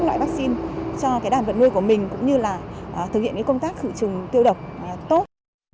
loại vaccine cho cái đàn vật nuôi của mình cũng như là thực hiện công tác khử trùng tiêu độc tốt